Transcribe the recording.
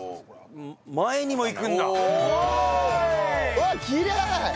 うわっきれい！